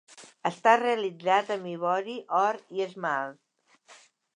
Està realitzat amb ivori, or i esmalt.